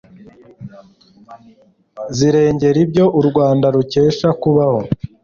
zirengera ibyo u rwanda rukesha kubaho